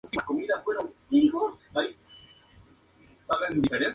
Juega de arquero en el Oriente Petrolero de la Primera División de Bolivia.